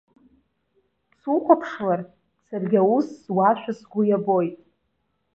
Сухәаԥшлар, саргьы аус зуашәа сгәы иабоит.